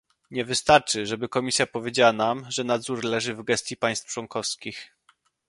Nie wystarczy, żeby Komisja powiedziała nam, że nadzór leży w gestii państw członkowskich